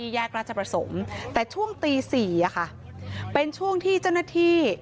แยกราชประสมแต่ช่วงตี๔เป็นช่วงที่เจ้าหน้าที่